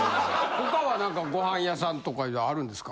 ほかは何かご飯屋さんとかであるんですか？